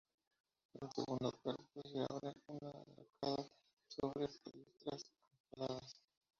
En el segundo cuerpo se abre una arcada sobre pilastras acanaladas.